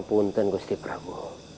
hathurpangapunten gusti prabu